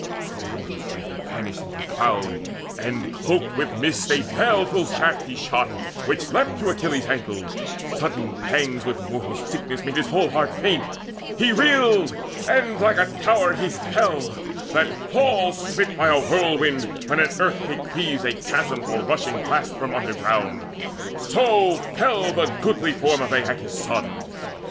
From mortal sight he vanished into cloud, And cloaked with mist a baleful shaft he shot Which leapt to Achilles' ankle: sudden pangs With mortal sickness made his whole heart faint. He reeled, and like a tower he fell, that falls Smit by a whirlwind when an earthquake cleaves A chasm for rushing blasts from underground; So fell the goodly form of Aeacus' son.